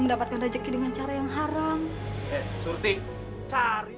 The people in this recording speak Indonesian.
mendapatkan rezeki dengan cara yang haram surti cari